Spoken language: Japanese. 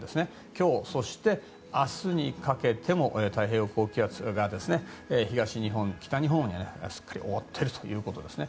今日、そして明日にかけても太平洋高気圧が東日本、北日本を覆っているということです。